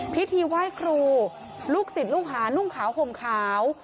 พิธีไหว้ครูลูกศิษย์ลูกหานุ่งขาวห่มขาว